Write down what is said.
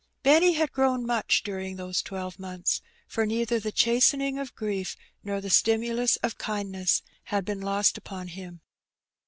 Benny had grown much during those twelve months^ for neither the chastening of grief nor the stimulus of kindness had been lost upon him.